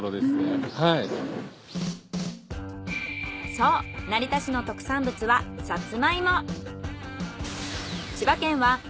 そう成田市の特産物はサツマイモ。